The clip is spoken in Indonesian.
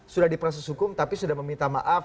sudah di proses hukum tapi sudah meminta maaf